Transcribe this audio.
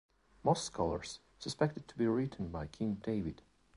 Most scholars suspect it to be written by king David.